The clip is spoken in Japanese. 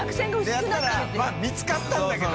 やったら見つかったんだけど。